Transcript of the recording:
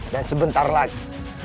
dan sebentar lagi